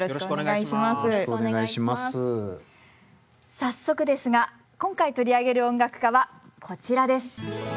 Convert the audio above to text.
早速ですが今回取り上げる音楽家はこちらです。